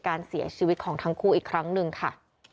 การเสียชีวิตของทั้งคู่อีกครั้งหนึ่งค่ะ